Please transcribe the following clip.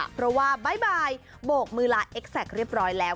เพราะว่าบ๊ายบายโบกมือลาเอ็กแซคเรียบร้อยแล้ว